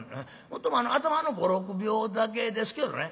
もっとも頭の５６秒だけですけどね。